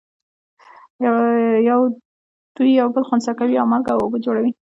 دوی یو بل خنثی کوي او مالګه او اوبه جوړوي.